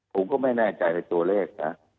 ผมก็ไม่แน่ใจในตัวเลขนะ